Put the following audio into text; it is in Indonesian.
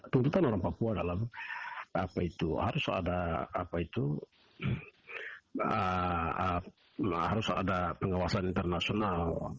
tuntutan orang papua adalah harus ada pengawasan internasional